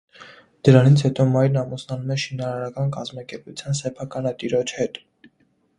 Դրանից հետո մայրն ամուսնանում է շինարարական կազմակերպության սեփականատիրոջ հետ։